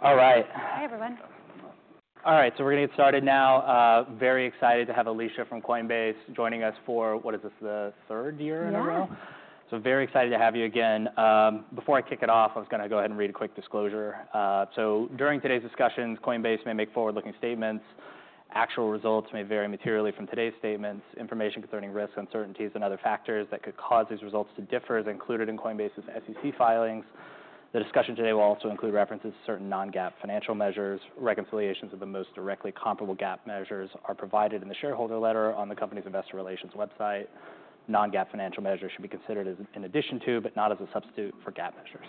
All right. Hi, everyone. All right, so we're going to get started now. Very excited to have Alesia from Coinbase joining us for, what is this, the third year in a row? Yeah. So very excited to have you again. Before I kick it off, I was going to go ahead and read a quick disclosure. So during today's discussions, Coinbase may make forward-looking statements. Actual results may vary materially from today's statements. Information concerning risks, uncertainties, and other factors that could cause these results to differ is included in Coinbase's SEC filings. The discussion today will also include references to certain non-GAAP financial measures. Reconciliations of the most directly comparable GAAP measures are provided in the shareholder letter on the company's investor relations website. Non-GAAP financial measures should be considered in addition to, but not as a substitute for GAAP measures.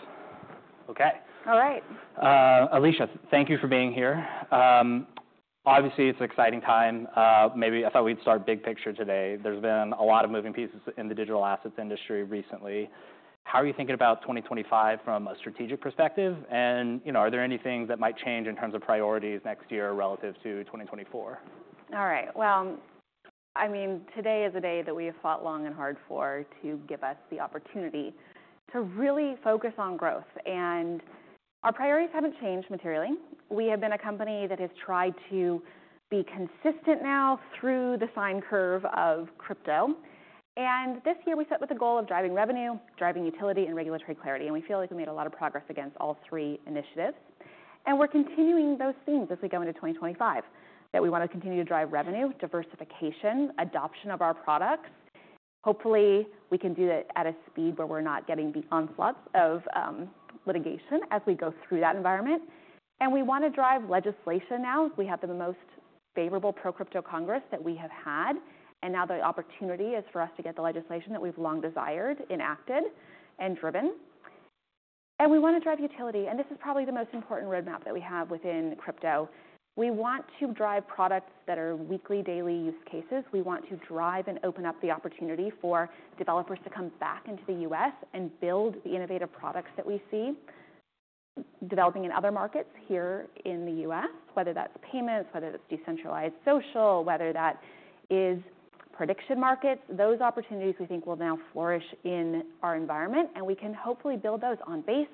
Okay. All right. Alesia, thank you for being here. Obviously, it's an exciting time. Maybe I thought we'd start big picture today. There's been a lot of moving pieces in the digital assets industry recently. How are you thinking about 2025 from a strategic perspective? And are there any things that might change in terms of priorities next year relative to 2024? All right. Well, I mean, today is a day that we have fought long and hard for to give us the opportunity to really focus on growth. Our priorities haven't changed materially. We have been a company that has tried to be consistent now through the sine curve of crypto. This year, we set with the goal of driving revenue, driving utility, and regulatory clarity. We feel like we made a lot of progress against all three initiatives. We're continuing those themes as we go into 2025, that we want to continue to drive revenue, diversification, adoption of our products. Hopefully, we can do that at a speed where we're not getting the onslaughts of litigation as we go through that environment. We want to drive legislation now. We have the most favorable pro-crypto Congress that we have had. Now the opportunity is for us to get the legislation that we've long desired enacted and driven. We want to drive utility. This is probably the most important roadmap that we have within crypto. We want to drive products that are weekly, daily use cases. We want to drive and open up the opportunity for developers to come back into the U.S. and build the innovative products that we see developing in other markets here in the U.S., whether that's payments, whether that's decentralized social, whether that is prediction markets. Those opportunities we think will now flourish in our environment. We can hopefully build those on Base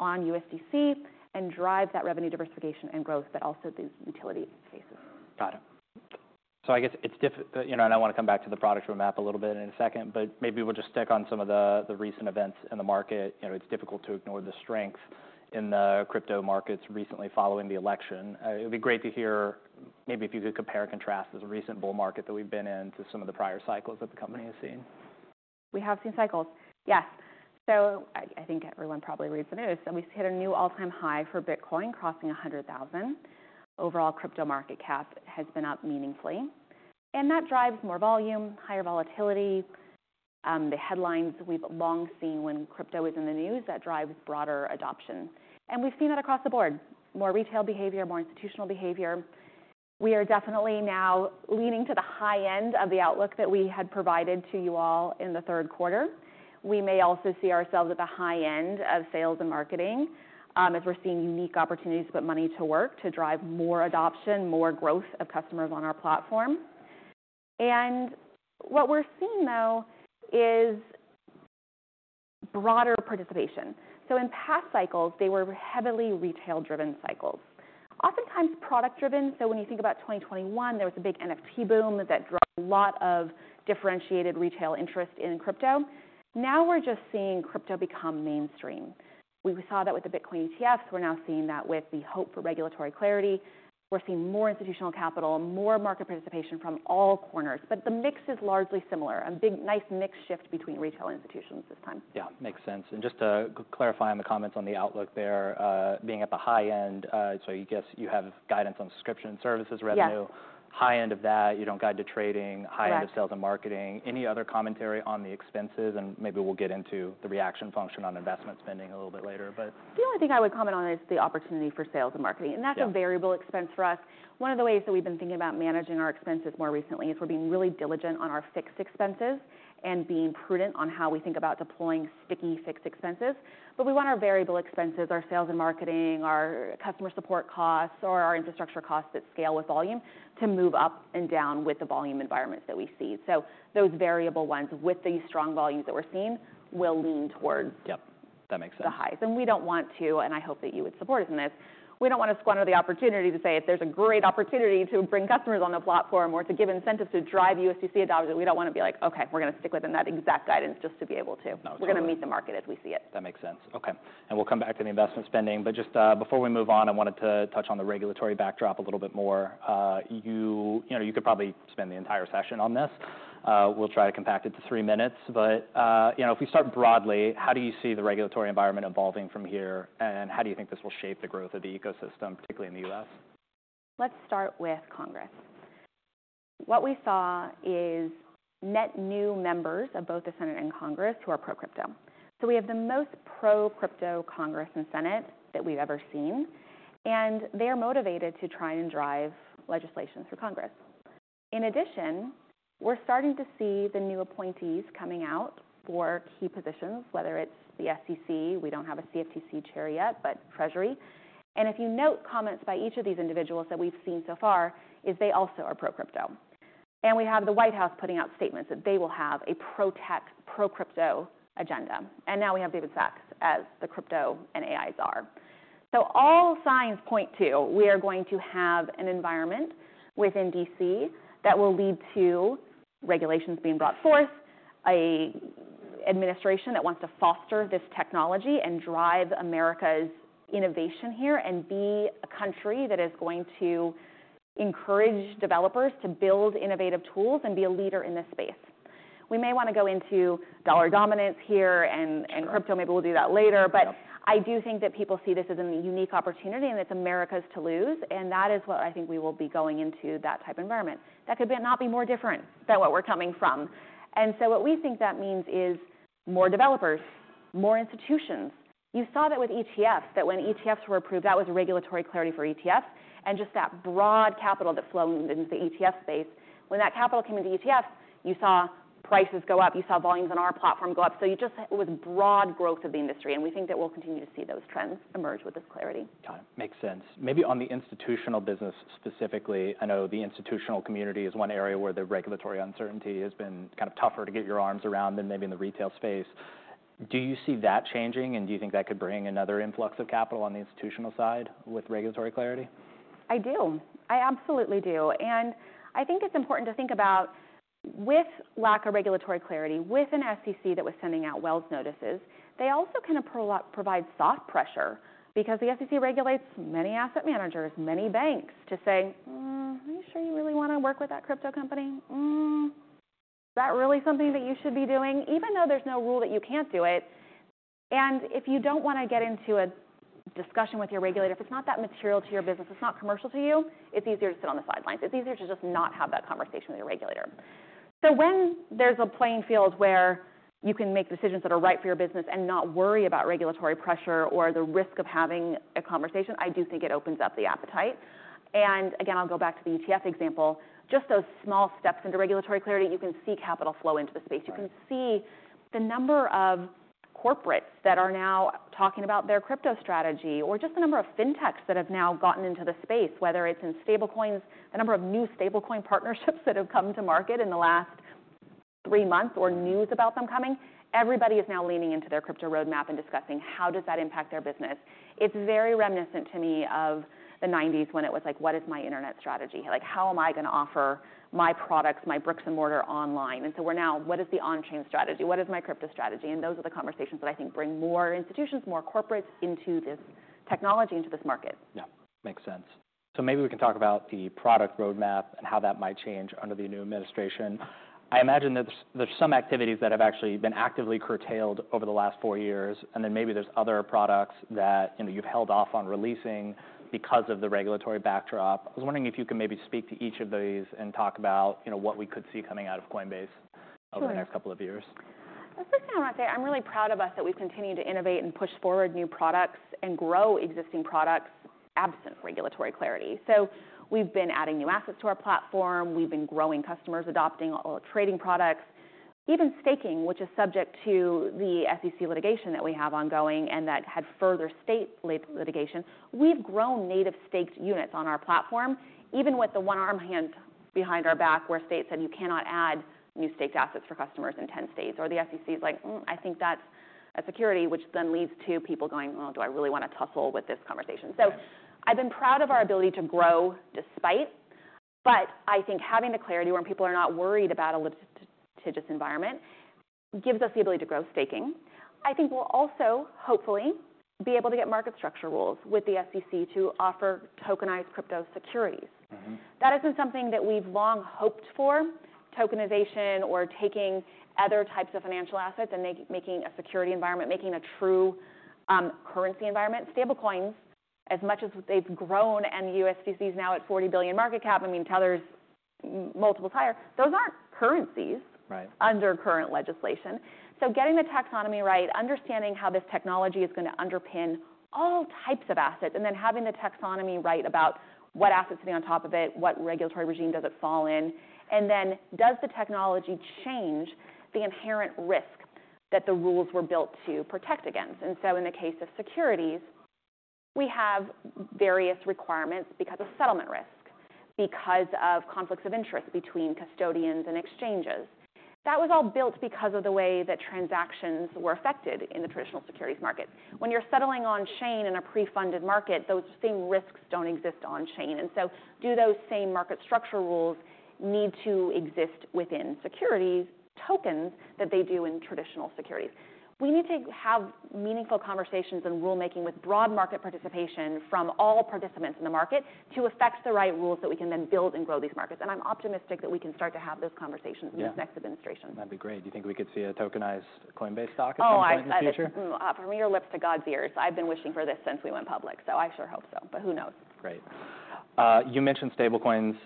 and USDC and drive that revenue diversification and growth that also the utility faces. Got it, so I guess it's difficult, and I want to come back to the product roadmap a little bit in a second, but maybe we'll just stick on some of the recent events in the market. It's difficult to ignore the strength in the crypto markets recently following the election. It would be great to hear maybe if you could compare and contrast this recent bull market that we've been in to some of the prior cycles that the company has seen. We have seen cycles. Yes. So I think everyone probably reads the news. And we've hit a new all-time high for Bitcoin, crossing $100,000. Overall crypto market cap has been up meaningfully. And that drives more volume, higher volatility. The headlines we've long seen when crypto is in the news, that drives broader adoption. And we've seen that across the board. More retail behavior, more institutional behavior. We are definitely now leaning to the high end of the outlook that we had provided to you all in the third quarter. We may also see ourselves at the high end of sales and marketing as we're seeing unique opportunities to put money to work to drive more adoption, more growth of customers on our platform. And what we're seeing, though, is broader participation. So in past cycles, they were heavily retail-driven cycles, oftentimes product-driven. So when you think about 2021, there was a big NFT boom that drove a lot of differentiated retail interest in crypto. Now we're just seeing crypto become mainstream. We saw that with the Bitcoin ETFs. We're now seeing that with the hope for regulatory clarity. We're seeing more institutional capital, more market participation from all corners. But the mix is largely similar, a big nice mix shift between retail institutions this time. Yeah, makes sense. And just to clarify on the comments on the outlook there, being at the high end, so I guess you have guidance on subscription services revenue, high end of that, you don't guide to trading, high end of sales and marketing. Any other commentary on the expenses? And maybe we'll get into the reaction function on investment spending a little bit later. The only thing I would comment on is the opportunity for sales and marketing, and that's a variable expense for us. One of the ways that we've been thinking about managing our expenses more recently is we're being really diligent on our fixed expenses and being prudent on how we think about deploying sticky fixed expenses, but we want our variable expenses, our sales and marketing, our customer support costs, or our infrastructure costs that scale with volume to move up and down with the volume environments that we see, so those variable ones with the strong volumes that we're seeing will lean towards the highs. Yep, that makes sense. We don't want to, and I hope that you would support us in this. We don't want to squander the opportunity to say if there's a great opportunity to bring customers on the platform or to give incentives to drive USDC adoption. We don't want to be like, okay, we're going to stick within that exact guidance just to be able to. We're going to meet the market as we see it. That makes sense. Okay. And we'll come back to the investment spending. But just before we move on, I wanted to touch on the regulatory backdrop a little bit more. You could probably spend the entire session on this. We'll try to compact it to three minutes. But if we start broadly, how do you see the regulatory environment evolving from here? And how do you think this will shape the growth of the ecosystem, particularly in the U.S.? Let's start with Congress. What we saw is net new members of both the Senate and Congress who are pro-crypto. So we have the most pro-crypto Congress and Senate that we've ever seen. And they are motivated to try and drive legislation through Congress. In addition, we're starting to see the new appointees coming out for key positions, whether it's the SEC. We don't have a CFTC chair yet, but Treasury. And if you note comments by each of these individuals that we've seen so far, they also are pro-crypto. And we have the White House putting out statements that they will have a pro-tech, pro-crypto agenda. And now we have David Sacks as the crypto and AI czar. So all signs point to we are going to have an environment within D.C. that will lead to regulations being brought forth, an administration that wants to foster this technology and drive America's innovation here and be a country that is going to encourage developers to build innovative tools and be a leader in this space. We may want to go into dollar dominance here and crypto. Maybe we'll do that later. But I do think that people see this as a unique opportunity and it's America's to lose. And that is what I think we will be going into that type of environment. That could not be more different than what we're coming from. And so what we think that means is more developers, more institutions. You saw that with ETFs, that when ETFs were approved, that was regulatory clarity for ETFs and just that broad capital that flowed into the ETF space. When that capital came into ETFs, you saw prices go up. You saw volumes on our platform go up. So it was broad growth of the industry. And we think that we'll continue to see those trends emerge with this clarity. Got it. Makes sense. Maybe on the institutional business specifically, I know the institutional community is one area where the regulatory uncertainty has been kind of tougher to get your arms around than maybe in the retail space. Do you see that changing? And do you think that could bring another influx of capital on the institutional side with regulatory clarity? I do. I absolutely do and I think it's important to think about with lack of regulatory clarity, with an SEC that was sending out Wells notices, they also kind of provide soft pressure because the SEC regulates many asset managers, many banks to say, "Are you sure you really want to work with that crypto company? Is that really something that you should be doing?" Even though there's no rule that you can't do it and if you don't want to get into a discussion with your regulator, if it's not that material to your business, it's not commercial to you, it's easier to sit on the sidelines. It's easier to just not have that conversation with your regulator. So when there's a playing field where you can make decisions that are right for your business and not worry about regulatory pressure or the risk of having a conversation, I do think it opens up the appetite. And again, I'll go back to the ETF example. Just those small steps into regulatory clarity, you can see capital flow into the space. You can see the number of corporates that are now talking about their crypto strategy or just the number of fintechs that have now gotten into the space, whether it's in stablecoins, the number of new stablecoin partnerships that have come to market in the last three months or news about them coming. Everybody is now leaning into their crypto roadmap and discussing how does that impact their business. It's very reminiscent to me of the 1990s when it was like, "What is my internet strategy? How am I going to offer my products, my bricks and mortar online?" And so we're now, "What is the on-chain strategy? What is my crypto strategy?" And those are the conversations that I think bring more institutions, more corporates into this technology, into this market. Yeah, makes sense. So maybe we can talk about the product roadmap and how that might change under the new administration. I imagine there's some activities that have actually been actively curtailed over the last four years. And then maybe there's other products that you've held off on releasing because of the regulatory backdrop. I was wondering if you could maybe speak to each of those and talk about what we could see coming out of Coinbase over the next couple of years? The first thing I want to say, I'm really proud of us that we've continued to innovate and push forward new products and grow existing products absent regulatory clarity. So we've been adding new assets to our platform. We've been growing customers adopting trading products, even staking, which is subject to the SEC litigation that we have ongoing and that had further state litigation. We've grown native staked units on our platform, even with the one arm behind our back where states said, "You cannot add new staked assets for customers in 10 states." Or the SEC is like, "I think that's a security," which then leads to people going, "Well, do I really want to tussle with this conversation?" So I've been proud of our ability to grow despite. But I think having the clarity where people are not worried about a litigious environment gives us the ability to grow staking. I think we'll also hopefully be able to get market structure rules with the SEC to offer tokenized crypto securities. That has been something that we've long hoped for, tokenization or taking other types of financial assets and making a security environment, making a true currency environment. Stablecoins, as much as they've grown and the USDC is now at 40 billion market cap, I mean, Tether's multiple times, those aren't currencies under current legislation. So getting the taxonomy right, understanding how this technology is going to underpin all types of assets, and then having the taxonomy right about what assets are on top of it, what regulatory regime does it fall in, and then does the technology change the inherent risk that the rules were built to protect against? And so in the case of securities, we have various requirements because of settlement risk, because of conflicts of interest between custodians and exchanges. That was all built because of the way that transactions were affected in the traditional securities markets. When you're settling on chain in a pre-funded market, those same risks don't exist on chain. And so do those same market structure rules need to exist within securities, tokens that they do in traditional securities? We need to have meaningful conversations and rulemaking with broad market participation from all participants in the market to affect the right rules that we can then build and grow these markets, and I'm optimistic that we can start to have those conversations in this next administration. That'd be great. Do you think we could see a tokenized Coinbase stock at some point in the future? From your lips to God's ears. I've been wishing for this since we went public. So I sure hope so. But who knows? Great. You mentioned stablecoins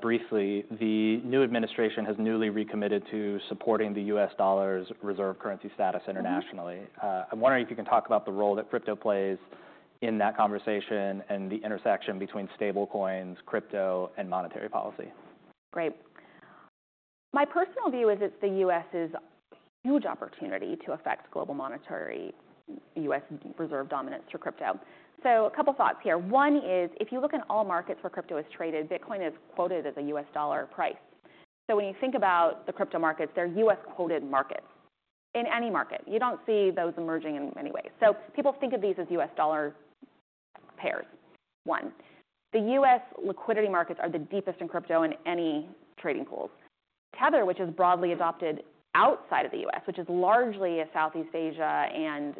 briefly. The new administration has newly recommitted to supporting the U.S. dollar's reserve currency status internationally. I'm wondering if you can talk about the role that crypto plays in that conversation and the intersection between stablecoins, crypto, and monetary policy? Great. My personal view is it's the U.S.'s huge opportunity to affect global monetary U.S. reserve dominance through crypto. So a couple of thoughts here. One is if you look in all markets where crypto is traded, Bitcoin is quoted as a U.S. dollar price. So when you think about the crypto markets, they're U.S. quoted markets in any market. You don't see those emerging in many ways. So people think of these as U.S. dollar pairs, one. The U.S. liquidity markets are the deepest in crypto in any trading pools. Tether, which is broadly adopted outside of the U.S., which is largely a Southeast Asia and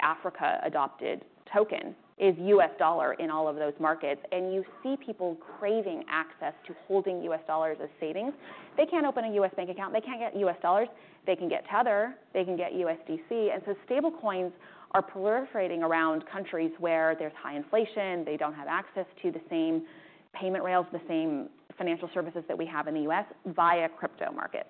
Africa adopted token, is U.S. dollar in all of those markets. And you see people craving access to holding U.S. dollars as savings. They can't open a U.S. bank account. They can't get U.S. dollars. They can get Tether. They can get USDC. And so stablecoins are proliferating around countries where there's high inflation. They don't have access to the same payment rails, the same financial services that we have in the U.S. via crypto markets.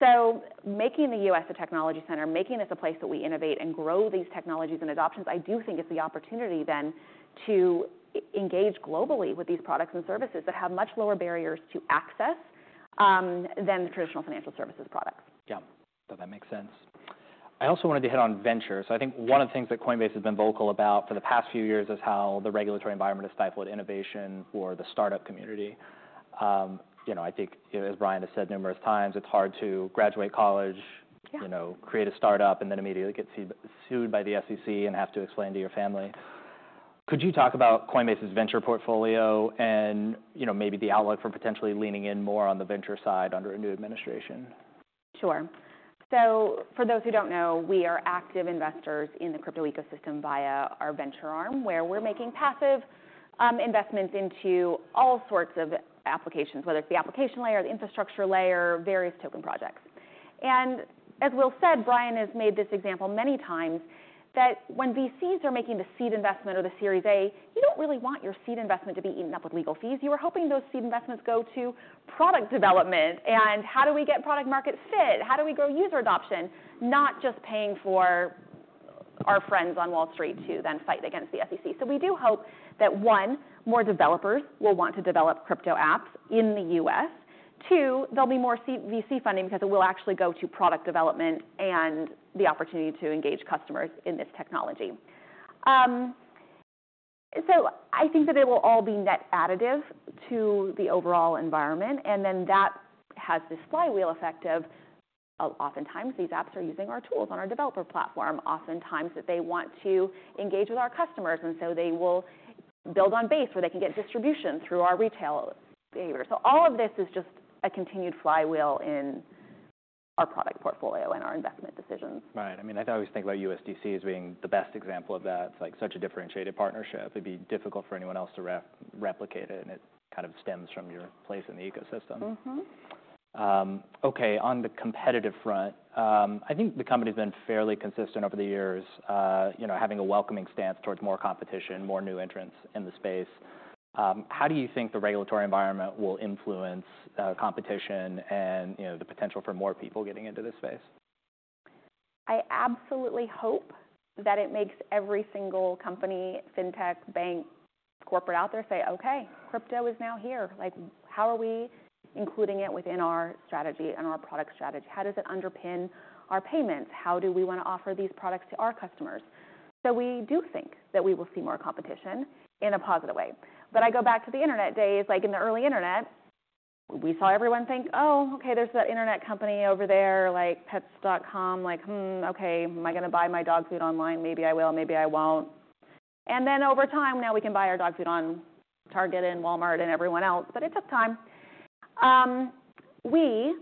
So making the U.S. a technology center, making this a place that we innovate and grow these technologies and adoptions, I do think it's the opportunity then to engage globally with these products and services that have much lower barriers to access than traditional financial services products. Yeah, that makes sense. I also wanted to hit on ventures. I think one of the things that Coinbase has been vocal about for the past few years is how the regulatory environment has stifled innovation for the startup community. I think, as Brian has said numerous times, it's hard to graduate college, create a startup, and then immediately get sued by the SEC and have to explain to your family. Could you talk about Coinbase's venture portfolio and maybe the outlook for potentially leaning in more on the venture side under a new administration? Sure. So for those who don't know, we are active investors in the crypto ecosystem via our venture arm, where we're making passive investments into all sorts of applications, whether it's the application layer, the infrastructure layer, various token projects. And as Will said, Brian has made this example many times, that when VCs are making the seed investment or the Series A, you don't really want your seed investment to be eaten up with legal fees. You are hoping those seed investments go to product development. And how do we get product market fit? How do we grow user adoption, not just paying for our friends on Wall Street to then fight against the SEC? So we do hope that, one, more developers will want to develop crypto apps in the US. Two, there'll be more VC funding because it will actually go to product development and the opportunity to engage customers in this technology. So I think that it will all be net additive to the overall environment. And then that has this flywheel effect of oftentimes these apps are using our tools on our developer platform, oftentimes that they want to engage with our customers. And so they will build on Base where they can get distribution through our retail behavior. So all of this is just a continued flywheel in our product portfolio and our investment decisions. Right. I mean, I always think about USDC as being the best example of that. It's like such a differentiated partnership. It'd be difficult for anyone else to replicate it. And it kind of stems from your place in the ecosystem. Okay, on the competitive front, I think the company's been fairly consistent over the years, having a welcoming stance towards more competition, more new entrants in the space. How do you think the regulatory environment will influence competition and the potential for more people getting into this space? I absolutely hope that it makes every single company, fintech, bank, corporate out there say, "Okay, crypto is now here. How are we including it within our strategy and our product strategy? How does it underpin our payments? How do we want to offer these products to our customers?" So we do think that we will see more competition in a positive way. But I go back to the internet days. Like in the early internet, we saw everyone think, "Oh, okay, there's that internet company over there, like Pets.com, like, okay, am I going to buy my dog food online? Maybe I will. Maybe I won't." And then over time, now we can buy our dog food on Target and Walmart and everyone else. But it took time. We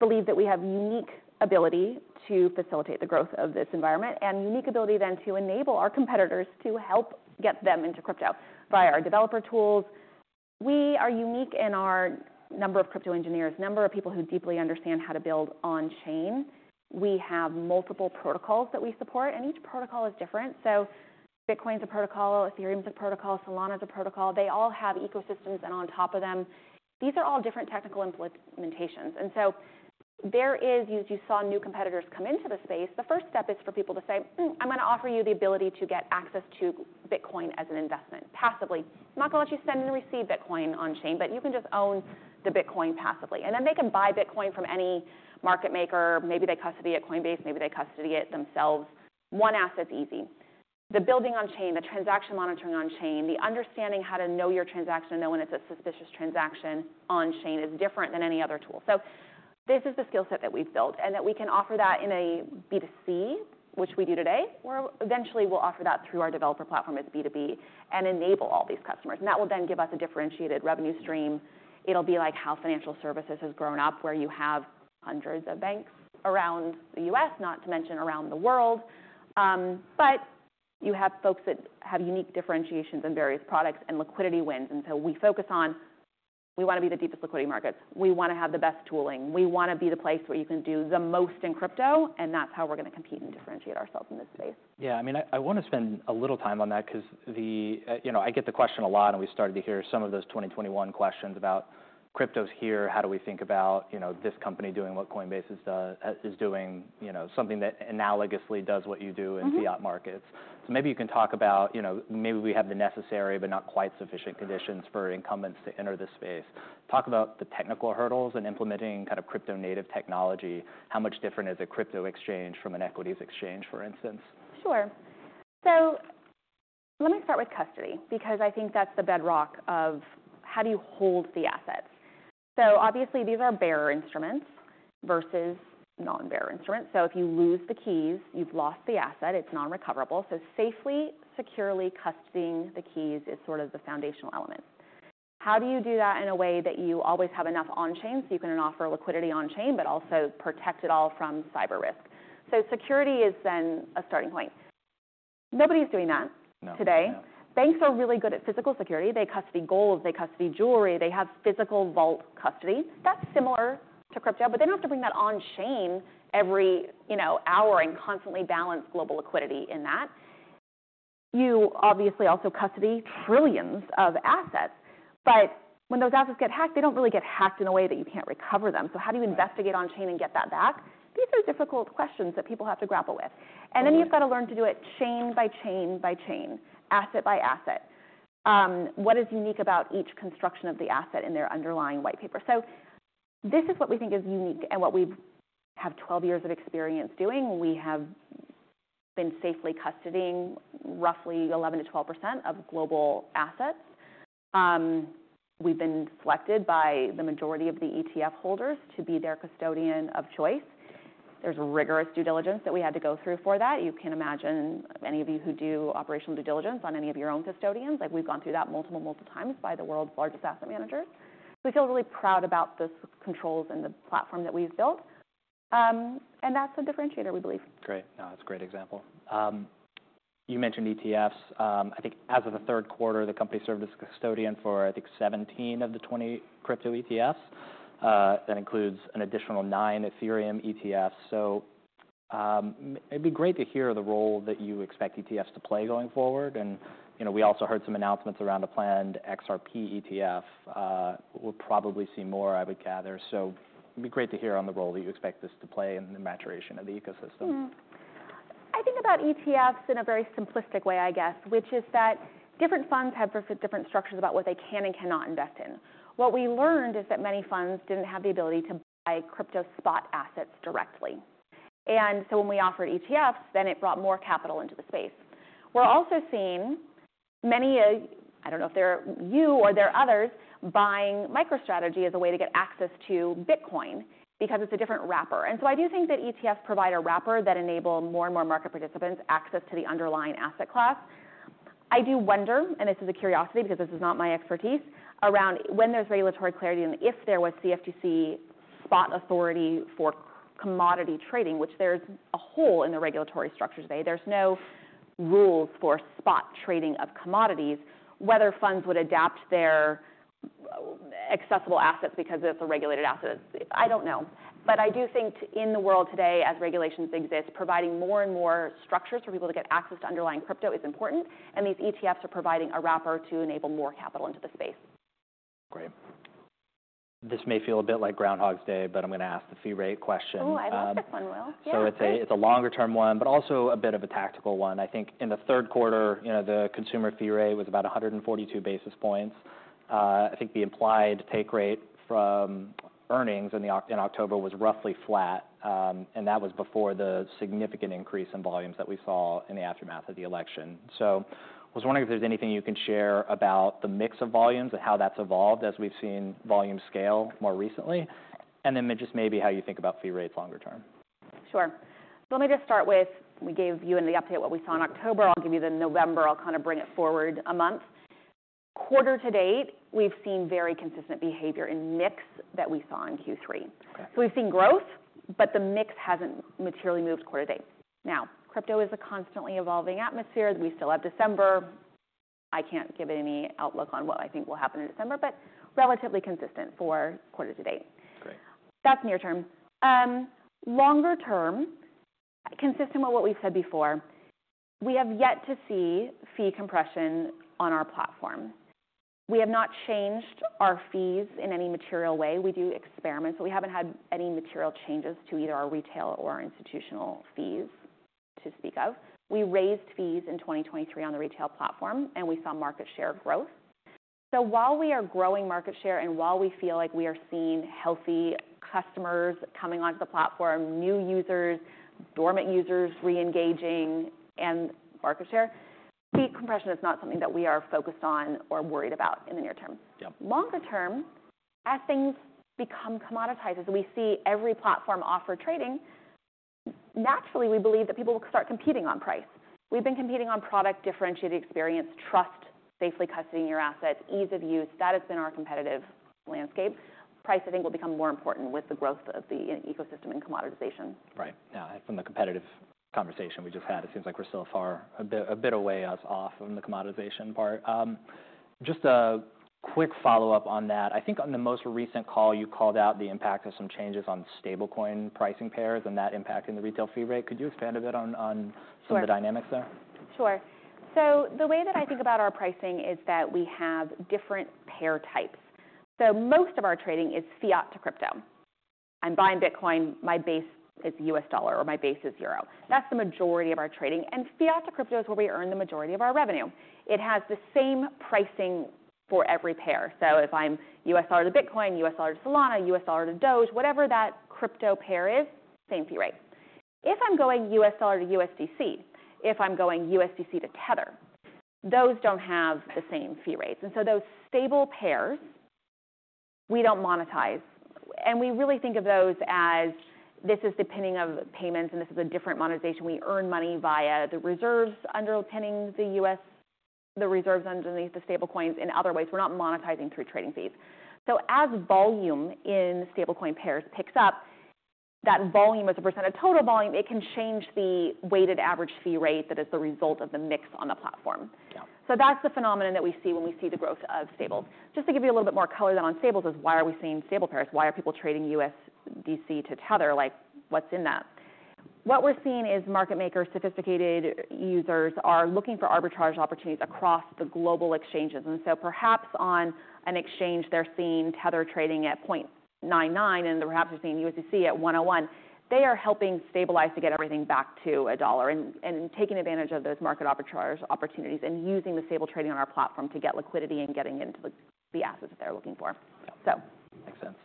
believe that we have unique ability to facilitate the growth of this environment and unique ability then to enable our competitors to help get them into crypto via our developer tools. We are unique in our number of crypto engineers, number of people who deeply understand how to build on-chain. We have multiple protocols that we support. And each protocol is different. So Bitcoin's a protocol, Ethereum's a protocol, Solana's a protocol. They all have ecosystems. And on top of them, these are all different technical implementations. And so there is, as you saw new competitors come into the space, the first step is for people to say, "I'm going to offer you the ability to get access to Bitcoin as an investment passively. I'm not going to let you send and receive Bitcoin on chain, but you can just own the Bitcoin passively." And then they can buy Bitcoin from any market maker. Maybe they custody it at Coinbase. Maybe they custody it themselves. One asset's easy. The building on chain, the transaction monitoring on chain, the understanding how to know your transaction and know when it's a suspicious transaction on chain is different than any other tool. So this is the skill set that we've built and that we can offer that in a B2C, which we do today, or eventually we'll offer that through our developer platform as B2B and enable all these customers. And that will then give us a differentiated revenue stream. It'll be like how financial services has grown up, where you have hundreds of banks around the U.S., not to mention around the world. But you have folks that have unique differentiations in various products and liquidity wins. And so we focus on we want to be the deepest liquidity markets. We want to have the best tooling. We want to be the place where you can do the most in crypto. And that's how we're going to compete and differentiate ourselves in this space. Yeah, I mean, I want to spend a little time on that because I get the question a lot. And we started to hear some of those 2021 questions about cryptos here. How do we think about this company doing what Coinbase is doing, something that analogously does what you do in fiat markets? So maybe you can talk about maybe we have the necessary but not quite sufficient conditions for incumbents to enter this space. Talk about the technical hurdles in implementing kind of crypto-native technology. How much different is a crypto exchange from an equities exchange, for instance? Sure. So let me start with custody because I think that's the bedrock of how do you hold the assets. So obviously, these are bearer instruments versus non-bearer instruments. So if you lose the keys, you've lost the asset. It's non-recoverable. So safely, securely custodying the keys is sort of the foundational element. How do you do that in a way that you always have enough on-chain so you can offer liquidity on-chain, but also protect it all from cyber risk? So security is then a starting point. Nobody's doing that today. Banks are really good at physical security. They custody gold. They custody jewelry. They have physical vault custody. That's similar to crypto, but they don't have to bring that on-chain every hour and constantly balance global liquidity in that. You obviously also custody trillions of assets. But when those assets get hacked, they don't really get hacked in a way that you can't recover them. So how do you investigate on chain and get that back? These are difficult questions that people have to grapple with. And then you've got to learn to do it chain by chain by chain, asset by asset. What is unique about each construction of the asset in their underlying white paper? So this is what we think is unique and what we have 12 years of experience doing. We have been safely custodying roughly 11%-12% of global assets. We've been selected by the majority of the ETF holders to be their custodian of choice. There's rigorous due diligence that we had to go through for that. You can imagine any of you who do operational due diligence on any of your own custodians. We've gone through that multiple, multiple times by the world's largest asset managers. We feel really proud about the controls and the platform that we've built, and that's a differentiator, we believe. Great. That's a great example. You mentioned ETFs. I think as of the third quarter, the company served as custodian for, I think, 17 of the 20 crypto ETFs. That includes an additional nine Ethereum ETFs. So it'd be great to hear the role that you expect ETFs to play going forward. And we also heard some announcements around a planned XRP ETF. We'll probably see more, I would gather. So it'd be great to hear on the role that you expect this to play in the maturation of the ecosystem. I think about ETFs in a very simplistic way, I guess, which is that different funds have different structures about what they can and cannot invest in. What we learned is that many funds didn't have the ability to buy crypto spot assets directly. And so when we offered ETFs, then it brought more capital into the space. We're also seeing many, I don't know if they're you or there are others, buying MicroStrategy as a way to get access to Bitcoin because it's a different wrapper. And so I do think that ETFs provide a wrapper that enables more and more market participants access to the underlying asset class. I do wonder, and this is a curiosity because this is not my expertise, around when there's regulatory clarity and if there was CFTC spot authority for commodity trading, which there's a hole in the regulatory structure today. There's no rules for spot trading of commodities. Whether funds would adapt their accessible assets because it's a regulated asset, I don't know. But I do think in the world today, as regulations exist, providing more and more structures for people to get access to underlying crypto is important. And these ETFs are providing a wrapper to enable more capital into the space. Great. This may feel a bit like Groundhog's Day, but I'm going to ask the fee rate question. Oh, I bet this one will. So it's a longer-term one, but also a bit of a tactical one. I think in the third quarter, the consumer fee rate was about 142 basis points. I think the implied take rate from earnings in October was roughly flat. And that was before the significant increase in volumes that we saw in the aftermath of the election. So I was wondering if there's anything you can share about the mix of volumes and how that's evolved as we've seen volumes scale more recently. And then just maybe how you think about fee rates longer term. Sure. Let me just start with we gave you in the update what we saw in October. I'll give you the November. I'll kind of bring it forward a month. Quarter to date, we've seen very consistent behavior in mix that we saw in Q3. So we've seen growth, but the mix hasn't materially moved quarter to date. Now, crypto is a constantly evolving atmosphere. We still have December. I can't give any outlook on what I think will happen in December, but relatively consistent for quarter to date. That's near term. Longer term, consistent with what we've said before, we have yet to see fee compression on our platform. We have not changed our fees in any material way. We do experiments, but we haven't had any material changes to either our retail or our institutional fees to speak of. We raised fees in 2023 on the retail platform, and we saw market share growth. So while we are growing market share and while we feel like we are seeing healthy customers coming onto the platform, new users, dormant users reengaging, and market share, fee compression is not something that we are focused on or worried about in the near term. Longer term, as things become commoditized, as we see every platform offer trading, naturally, we believe that people will start competing on price. We've been competing on product differentiated experience, trust, safely custodying your assets, ease of use. That has been our competitive landscape. Price, I think, will become more important with the growth of the ecosystem and commoditization. Right. Now, from the competitive conversation we just had, it seems like we're still a bit a way off from the commoditization part. Just a quick follow-up on that. I think on the most recent call, you called out the impact of some changes on stablecoin pricing pairs and that impacting the retail fee rate. Could you expand a bit on some of the dynamics there? Sure. So the way that I think about our pricing is that we have different pair types. So most of our trading is fiat to crypto. I'm buying Bitcoin. My base is US dollar or my base is euro. That's the majority of our trading. And fiat to crypto is where we earn the majority of our revenue. It has the same pricing for every pair. So if I'm US dollar to Bitcoin, US dollar to Solana, US dollar to Doge, whatever that crypto pair is, same fee rate. If I'm going US dollar to USDC, if I'm going USDC to Tether, those don't have the same fee rates. And so those stable pairs, we don't monetize. And we really think of those as this is the pinning of payments, and this is a different monetization. We earn money via the reserves underpinning the USDC, the reserves underneath the stablecoins in other ways. We're not monetizing through trading fees. So as volume in stablecoin pairs picks up, that volume as a % of total volume, it can change the weighted average fee rate that is the result of the mix on the platform. So that's the phenomenon that we see when we see the growth of stables. Just to give you a little bit more color on stables is why are we seeing stable pairs? Why are people trading USDC to Tether? Like what's in that? What we're seeing is market makers, sophisticated users are looking for arbitrage opportunities across the global exchanges. And so perhaps on an exchange, they're seeing Tether trading at $0.99, and perhaps they're seeing USDC at $1.01. They are helping stabilize to get everything back to a dollar and taking advantage of those market arbitrage opportunities and using the stablecoin trading on our platform to get liquidity and getting into the assets that they're looking for. Makes sense.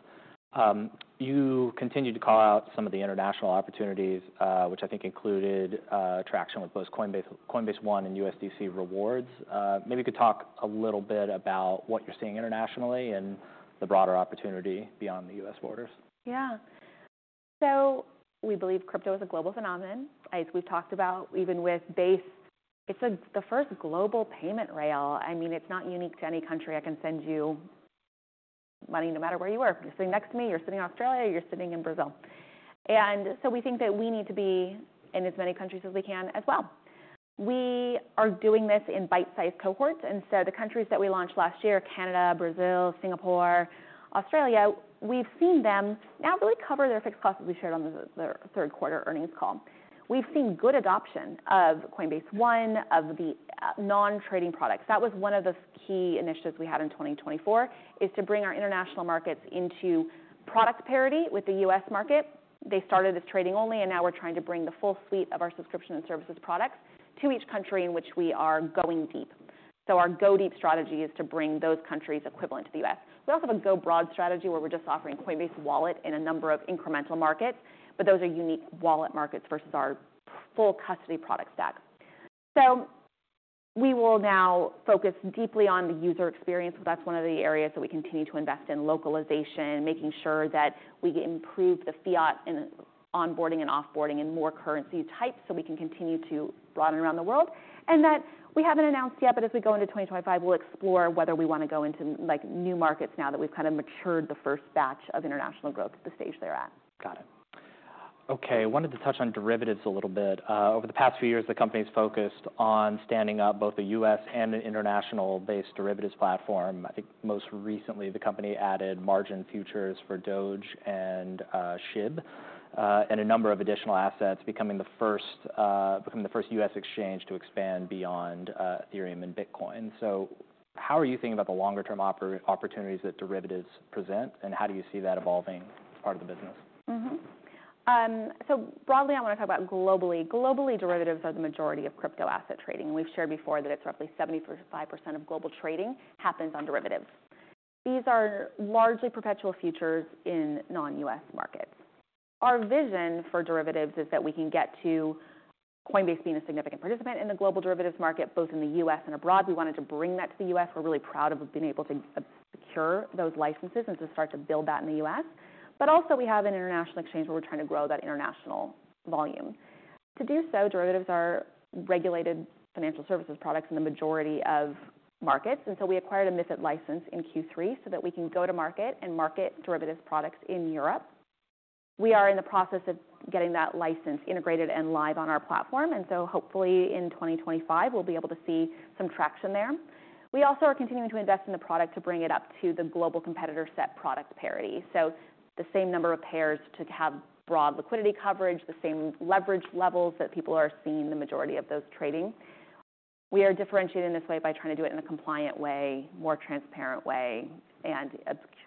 You continued to call out some of the international opportunities, which I think included traction with both Coinbase One and USDC Rewards. Maybe you could talk a little bit about what you're seeing internationally and the broader opportunity beyond the U.S. borders? Yeah, so we believe crypto is a global phenomenon. As we've talked about, even with Base, it's the first global payment rail. I mean, it's not unique to any country. I can send you money no matter where you are. You're sitting next to me. You're sitting in Australia. You're sitting in Brazil. And so we think that we need to be in as many countries as we can as well. We are doing this in bite-sized cohorts. And so the countries that we launched last year, Canada, Brazil, Singapore, Australia, we've seen them now really cover their fixed costs as we shared on the third quarter earnings call. We've seen good adoption of Coinbase One, of the non-trading products. That was one of the key initiatives we had in 2024, is to bring our international markets into product parity with the U.S. market. They started as trading only, and now we're trying to bring the full suite of our subscription and services products to each country in which we are going deep. Our go deep strategy is to bring those countries equivalent to the U.S. We also have a go broad strategy where we're just offering Coinbase Wallet in a number of incremental markets, but those are unique wallet markets versus our full custody product stack. We will now focus deeply on the user experience. That's one of the areas that we continue to invest in localization, making sure that we improve the fiat and onboarding and offboarding in more currency types so we can continue to broaden around the world. And that we haven't announced yet, but as we go into 2025, we'll explore whether we want to go into new markets now that we've kind of matured the first batch of international growth at the stage they're at. Got it. Okay. I wanted to touch on derivatives a little bit. Over the past few years, the company's focused on standing up both a U.S. and an international-based derivatives platform. I think most recently, the company added margin futures for Doge and SHIB and a number of additional assets, becoming the first U.S. exchange to expand beyond Ethereum and Bitcoin. So how are you thinking about the longer-term opportunities that derivatives present, and how do you see that evolving as part of the business? So broadly, I want to talk about globally. Globally, derivatives are the majority of crypto asset trading. We've shared before that it's roughly 75% of global trading happens on derivatives. These are largely perpetual futures in non-U.S. markets. Our vision for derivatives is that we can get to Coinbase being a significant participant in the global derivatives market, both in the U.S. and abroad. We wanted to bring that to the U.S. We're really proud of being able to secure those licenses and to start to build that in the U.S. But also, we have an international exchange where we're trying to grow that international volume. To do so, derivatives are regulated financial services products in the majority of markets. And so we acquired a MiFID license in Q3 so that we can go to market and market derivatives products in Europe. We are in the process of getting that license integrated and live on our platform. And so hopefully, in 2025, we'll be able to see some traction there. We also are continuing to invest in the product to bring it up to the global competitor set product parity. So the same number of pairs to have broad liquidity coverage, the same leverage levels that people are seeing the majority of those trading. We are differentiating this way by trying to do it in a compliant way, more transparent way, and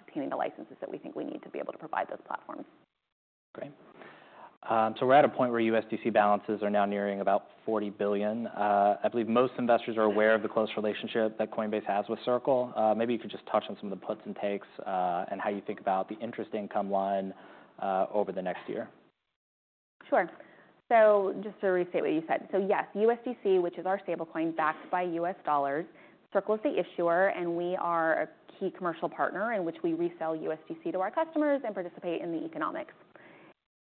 obtaining the licenses that we think we need to be able to provide those platforms. Great. So we're at a point where USDC balances are now nearing about $40 billion. I believe most investors are aware of the close relationship that Coinbase has with Circle. Maybe you could just touch on some of the puts and takes and how you think about the interest income line over the next year. Sure. So just to restate what you said. So yes, USDC, which is our stablecoin backed by US dollars, Circle is the issuer, and we are a key commercial partner in which we resell USDC to our customers and participate in the economics.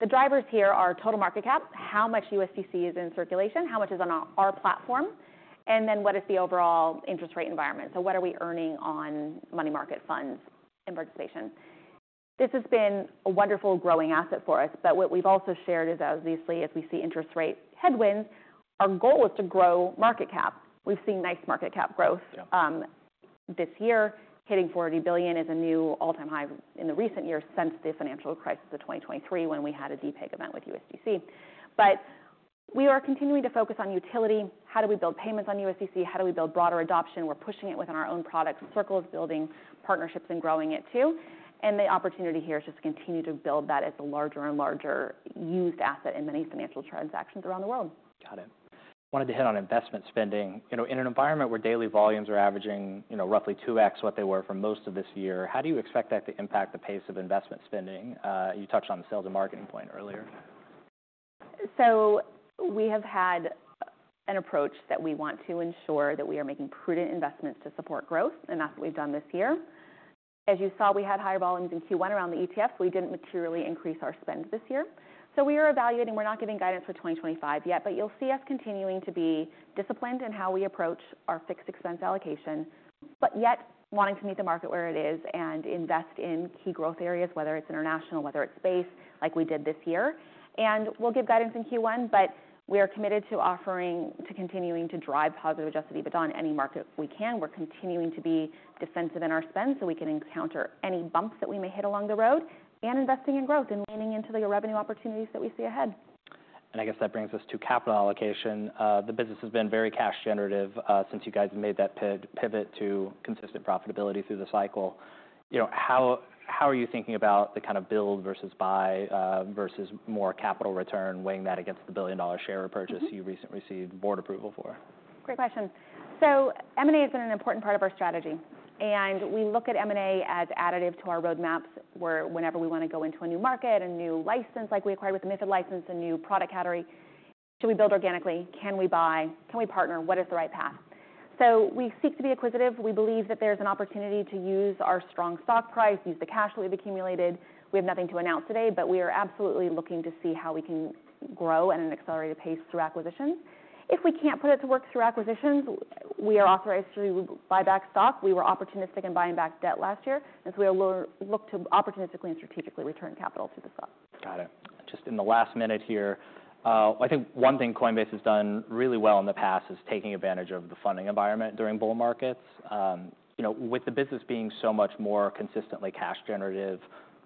The drivers here are total market cap, how much USDC is in circulation, how much is on our platform, and then what is the overall interest rate environment. So what are we earning on money market funds and participation? This has been a wonderful growing asset for us, but what we've also shared as obviously as we see interest rate headwinds, our goal is to grow market cap. We've seen nice market cap growth this year. Hitting $40 billion is a new all-time high in the recent years since the financial crisis of 2023 when we had a de-peg event with USDC. But we are continuing to focus on utility. How do we build payments on USDC? How do we build broader adoption? We're pushing it within our own products. Circle is building partnerships and growing it too. And the opportunity here is just to continue to build that as a larger and larger used asset in many financial transactions around the world. Got it. I wanted to hit on investment spending. In an environment where daily volumes are averaging roughly 2x what they were for most of this year, how do you expect that to impact the pace of investment spending? You touched on the sales and marketing point earlier. We have had an approach that we want to ensure that we are making prudent investments to support growth, and that's what we've done this year. As you saw, we had higher volumes in Q1 around the ETFs. We didn't materially increase our spend this year. We are evaluating. We're not giving guidance for 2025 yet, but you'll see us continuing to be disciplined in how we approach our fixed expense allocation, but yet wanting to meet the market where it is and invest in key growth areas, whether it's international, whether it's Base, like we did this year. We'll give guidance in Q1, but we are committed to continuing to drive positive Adjusted EBITDA on any market we can. We're continuing to be defensive in our spend so we can encounter any bumps that we may hit along the road, and investing in growth and leaning into the revenue opportunities that we see ahead. I guess that brings us to capital allocation. The business has been very cash generative since you guys made that pivot to consistent profitability through the cycle. How are you thinking about the kind of build versus buy versus more capital return, weighing that against the billion-dollar share purchase you recently received board approval for? Great question. So M&A has been an important part of our strategy. And we look at M&A as additive to our roadmaps where whenever we want to go into a new market, a new license like we acquired with the MiFID license, a new product category, should we build organically? Can we buy? Can we partner? What is the right path? So we seek to be acquisitive. We believe that there's an opportunity to use our strong stock price, use the cash that we've accumulated. We have nothing to announce today, but we are absolutely looking to see how we can grow at an accelerated pace through acquisitions. If we can't put it to work through acquisitions, we are authorized to buy back stock. We were opportunistic in buying back debt last year. And so we look to opportunistically and strategically return capital to the stock. Got it. Just in the last minute here, I think one thing Coinbase has done really well in the past is taking advantage of the funding environment during bull markets. With the business being so much more consistently cash generative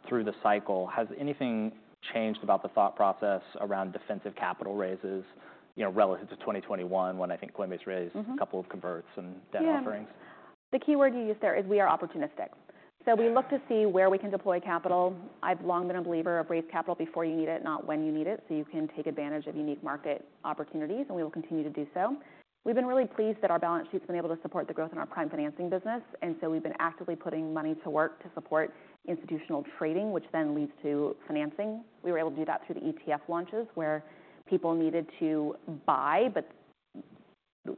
through the cycle, has anything changed about the thought process around defensive capital raises relative to 2021 when I think Coinbase raised a couple of converts and debt offerings? The keyword you used there is we are opportunistic, so we look to see where we can deploy capital. I've long been a believer of raise capital before you need it, not when you need it so you can take advantage of unique market opportunities, and we will continue to do so. We've been really pleased that our balance sheet has been able to support the growth in our Prime financing business, and so we've been actively putting money to work to support institutional trading, which then leads to financing. We were able to do that through the ETF launches where people needed to buy, but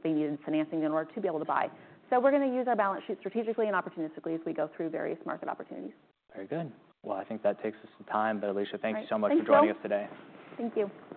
they needed financing in order to be able to buy, so we're going to use our balance sheet strategically and opportunistically as we go through various market opportunities. Very good. Well, I think that takes us to time, but Alesia, thank you so much for joining us today. Thank you.